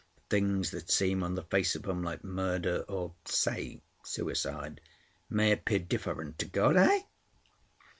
Things that seem on the face of 'em like murder, or say suicide, may appear different to God. Heh?"